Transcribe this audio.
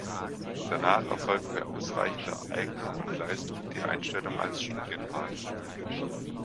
Danach erfolgt bei ausreichender Eignung und Leistung die Einstellung als Studienrat.